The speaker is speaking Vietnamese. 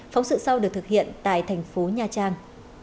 phóng sự sau được thực hiện tại thành phố nha trang